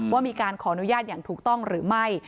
ว่ามีการขออนุญาตอย่างถูกต้องหรือไม่